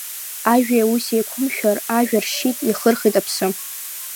Ажәеи ауси еиқәымшәар, ажәа ршьит, иахырхит аԥсы!